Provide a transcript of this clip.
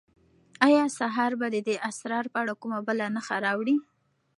آیا سهار به د دې اسرار په اړه کومه بله نښه راوړي؟